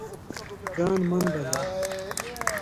ځان من بلل